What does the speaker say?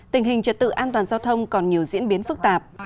tình hình trật tự an toàn giao thông còn nhiều diễn biến phức tạp